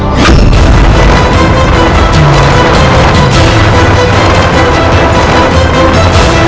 sesuai dengan percaya